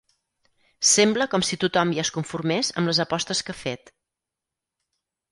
Sembla com si tothom ja es conformés amb les apostes que ha fet.